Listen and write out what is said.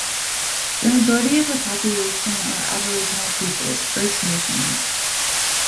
The majority of the population are Aboriginal peoples, First Nations.